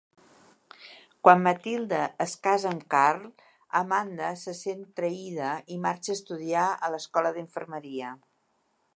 Quan Mathilda es casa amb Carl, Amanda se sent traïda i marxa a estudiar a l'escola d'infermeria.